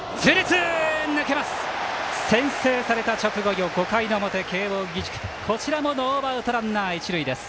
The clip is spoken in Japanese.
先制された直後、５回の表慶応義塾、こちらもノーアウト、ランナー、一塁です。